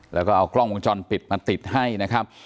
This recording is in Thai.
แล้วก็เอากล้องวงจรปิดมาติดให้นะครับ